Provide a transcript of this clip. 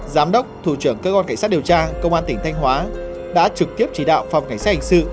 giám đốc thủ trưởng cơ quan cảnh sát điều tra công an tỉnh thanh hóa đã trực tiếp chỉ đạo phòng cảnh sát hình sự